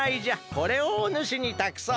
これをおぬしにたくそう。